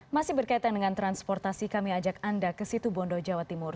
masih berkaitan dengan transportasi kami ajak anda ke situ bondo jawa timur